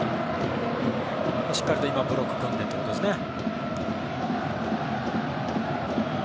しっかり今はブロックを組んでということですね。